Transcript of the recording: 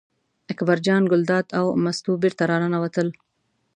اکبر جان ګلداد او مستو بېرته راننوتل.